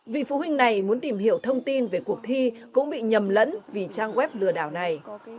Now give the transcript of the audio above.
vì phụ huynh này muốn tìm hiểu thông tin về cuộc thi cũng bị nhầm lẫn vì trang web lừa đảo này